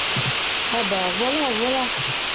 Ah bah !… voilà ! voilà !